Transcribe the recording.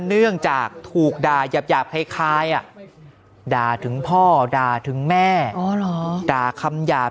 เนื่องจากถูกด่ายาบคล้ายด่าถึงพ่อด่าถึงแม่ด่าคำหยาบ